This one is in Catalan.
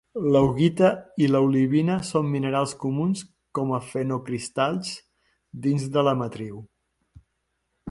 L'augita i l'olivina són minerals comuns com a fenocristalls dins de la matriu.